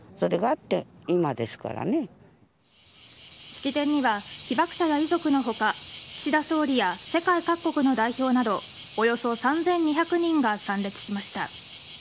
式典には被爆者や遺族の他岸田総理や世界各国の代表などおよそ３２００人が参列しました。